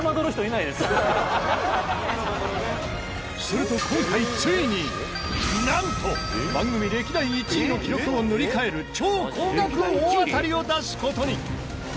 すると今回ついになんと番組歴代１位の記録を塗り替える超高額大当たりを出す事に！